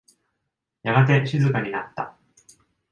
やがて静かになった。